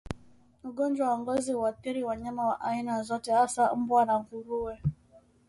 Ugonjwa wa ngozi huathiri wanyama wa aina zote hasa mbwa na nguruwe